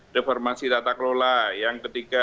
reformasi tata kelola yang ketiga